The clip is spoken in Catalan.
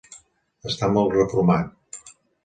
Està molt reformat.